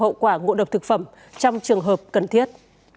hậu quả ngộ độc thực phẩm trong trường hợp cần thiết